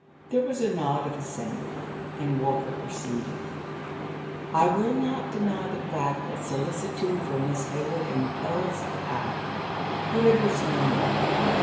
There was a nod of assent, and Walker proceeded: "I will not deny the fact that solicitude for Miss Hayward impels the act. But of this no more.